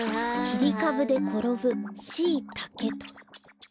「きりかぶでころぶシイタケ」と。